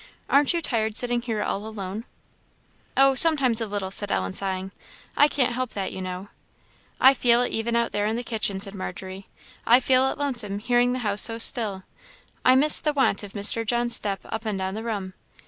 Aren't you tired sitting here all alone?" "Oh, sometimes a little," said Ellen, sighing. "I can't help that, you know." "I feel it even out there in the kitchen," said Margery; "I feel it lonesome hearing the house so still I miss the want of Mr. John's step up and down the room.